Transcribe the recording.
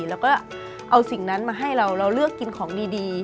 แล้วก็เอาสิ่งนั้นมาให้เราเราเลือกกินของดี